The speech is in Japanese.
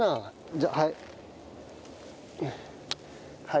じゃあはい。